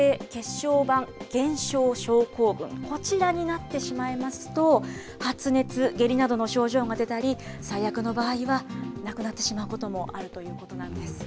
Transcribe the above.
小板減少症候群、こちらになってしまいますと、発熱、下痢などの症状が出たり、最悪の場合は、亡くなってしまうこともあるということなんです。